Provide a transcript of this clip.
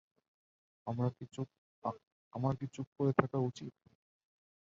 আমার কি চুপ করে থাকা উচিত?